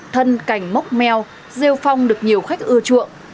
thân cảnh mốc meo rêu phong được nhiều khách ưa chuộng